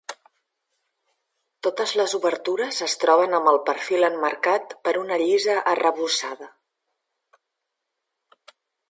Totes les obertures es troben amb el perfil emmarcat per una llisa arrebossada.